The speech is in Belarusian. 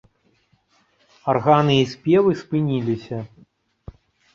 Арганы і спевы спыніліся.